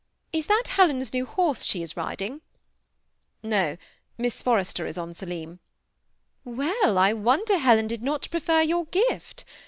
Is that Helen's new horse she is riding ?"" No ; Miss Forrester is on Selim." " Well, I wonder Helen did not prefer your gift.